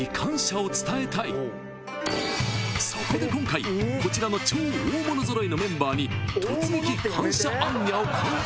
［そこで今回こちらの超大物揃いのメンバーに突撃感謝行脚を敢行］